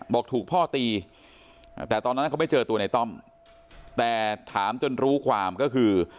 บอกถูกพ่อตีแต่ตอนนั้นเขาไม่เจอตัวในต้อมแต่ถามจนรู้ความก็คือ